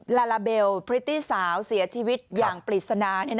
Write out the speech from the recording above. ลาลาเบลพริตตี้สาวเสียชีวิตอย่างปริศนา